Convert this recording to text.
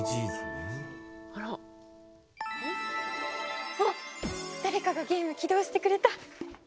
あっ誰かがゲーム起動してくれた！